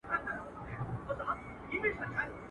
o د بې عقلانو جواب پټه خوله دئ.